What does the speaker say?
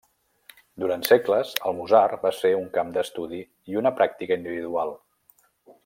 Durant segles, el Musar va ser un camp d'estudi, i una pràctica individual.